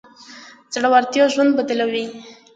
زړورتيا ژوند بدلوي.